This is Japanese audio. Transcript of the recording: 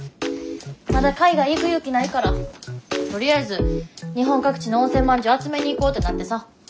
まだ海外行く勇気ないからとりあえず日本各地の温泉まんじゅう集めに行こうってなってさ。